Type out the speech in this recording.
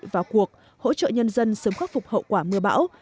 vào cuộc hỗ trợ nhân dân sớm khắc phục hậu quả mưa bão